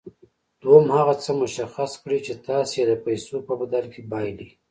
دويم هغه څه مشخص کړئ چې تاسې يې د پیسو په بدل کې بايلئ.